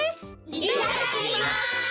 いただきます！